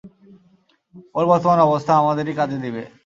ওর বর্তমান অবস্থা আমাদেরই কাজে দিবে।